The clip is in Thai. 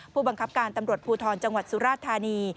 ผู้บังคับการตำรวจภูทรจังหวัดสุราธานี